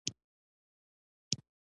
دومره باور به پرې پيدا کړي لکه رښتيا چې وي.